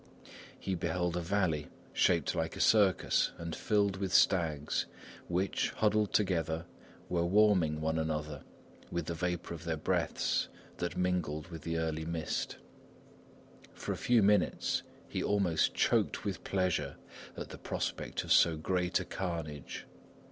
He beheld a valley shaped like a circus and filled with stags which, huddled together, were warming one another with the vapour of their breaths that mingled with the early mist. For a few minutes, he almost choked with pleasure at the prospect of so great a carnage.